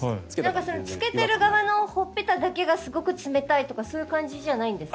着けてる側の頬っぺただけがすごく冷たいとかそういう感じじゃないですか？